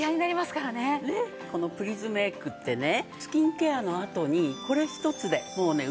このプリズムエッグってねスキンケアのあとにこれ一つでもうね